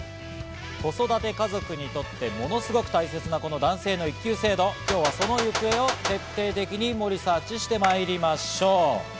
子育て家族にとってものすごく大切な男性の育休制度を今日はその行方を徹底的にモリＳｅａｒｃｈして参りましょう。